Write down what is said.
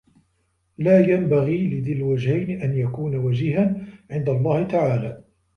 لَا يَنْبَغِي لِذِي الْوَجْهَيْنِ أَنْ يَكُونَ وَجِيهًا عِنْد اللَّهِ تَعَالَى